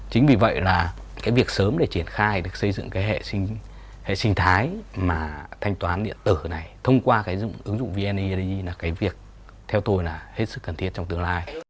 chính vì vậy là cái việc sớm để triển khai được xây dựng cái hệ sinh thái mà thanh toán điện tử này thông qua cái ứng dụng vneid là cái việc theo tôi là hết sức cần thiết trong tương lai